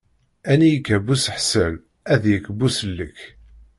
Ani yekka buseḥṣel ad d-yekk busellek.